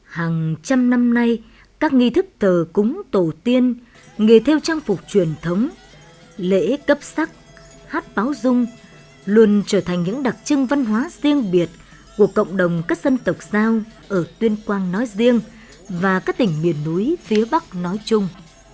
hàng trăm năm nay các nghi thức thờ cúng tổ tiên nghề theo trang phục truyền thống lễ cấp sắc hát báo dung luôn trở thành những đặc trưng văn hóa riêng biệt của cộng đồng các dân tộc giao ở tuyên quang nói riêng và các tỉnh miền núi phía bắc nói chung